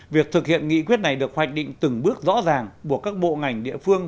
việc thực hiện nghị quyết này được hoạch định từng bước rõ ràng buộc các bộ ngành địa phương